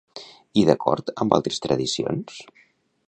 I d'acord amb altres tradicions?